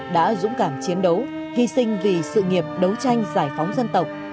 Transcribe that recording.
đã dũng cảm chiến đấu hy sinh vì sự nghiệp đấu tranh giải phóng dân tộc